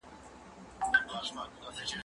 کېدای سي ليکلي پاڼي ګډ وي؟!